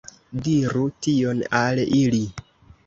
Diru tion al ili!